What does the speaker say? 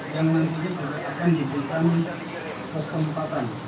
yang nantinya akan diberikan kesempatan